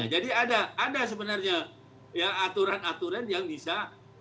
jadi ada ada sebenarnya ya aturan aturan yang bisa